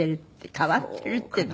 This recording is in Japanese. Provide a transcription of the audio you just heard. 変わっているっていうと。